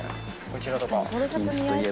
こちらとか。